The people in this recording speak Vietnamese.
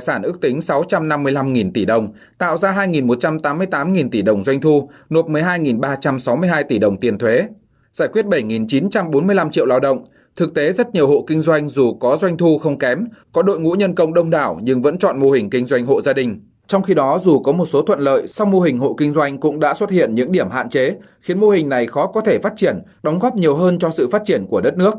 sau mô hình hộ kinh doanh cũng đã xuất hiện những điểm hạn chế khiến mô hình này khó có thể phát triển đóng góp nhiều hơn cho sự phát triển của đất nước